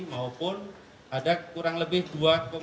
maupun ada kurang lebih dua enam juta usd